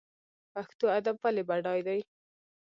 پښتو ادب ولې بډای دی؟